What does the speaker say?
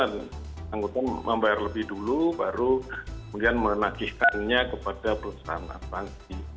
dan anggota membayar lebih dulu baru kemudian menakjihkannya kepada perusahaan nasabah